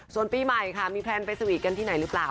ส่วนปีใหม่ค่ะมีแพลนไปสวีทกันที่ไหนหรือเปล่า